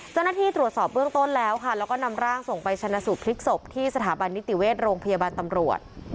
เจ้าหน้าที่ตรวจสอบเบื้องต้นแล้วค่ะแล้วก็นำร่างส่งไปชนะสูตรพลิกศพที่สถาบันนิติเวชโรงพยาบาลตำรวจ